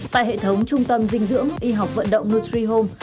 tại hệ thống trung tâm dinh dưỡng y học vận động nutrihome